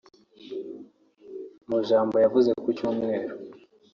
Mu ijambo yavuze ku Cyumweru